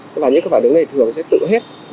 tức là những cái phản ứng này thường sẽ tự hết